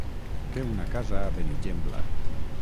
Té una casa a Benigembla.